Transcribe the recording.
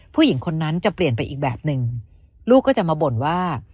ผู้หญิงคนนั้นจะเปลี่ยนไปอีกแบบหนึ่งลูกก็จะมาบ่นว่า